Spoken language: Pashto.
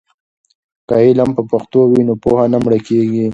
که علم په پښتو وي نو پوهه نه مړکېږي.